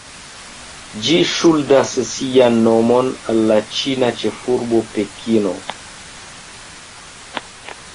Ĝi ŝuldas sian nomon al la ĉina ĉefurbo Pekino.